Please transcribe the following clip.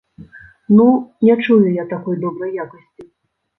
Ну, не чую я такой добрай якасці.